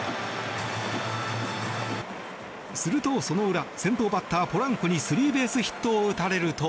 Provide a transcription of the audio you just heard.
すると、その裏先頭バッター、ポランコにスリーベースヒットを打たれると。